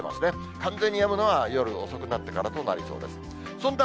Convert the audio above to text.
完全にやむのは夜遅くになってからとなりそうです。